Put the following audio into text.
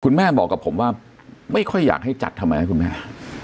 แม่บอกกับผมว่าไม่ค่อยอยากให้จัดทำไมให้คุณแม่